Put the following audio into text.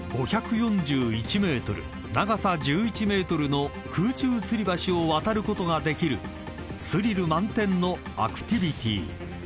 長さ１１ｍの空中つり橋を渡ることができるスリル満点のアクティビティー］